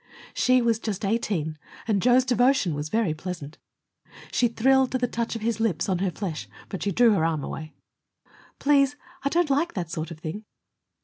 She was just eighteen, and Joe's devotion was very pleasant. She thrilled to the touch of his lips on her flesh; but she drew her arm away. "Please I don't like that sort of thing."